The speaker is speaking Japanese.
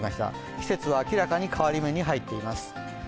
季節は明らかに変わり目に入っています。